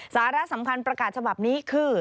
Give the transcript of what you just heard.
สาระสำคัญประกาศฉบับนี้คือ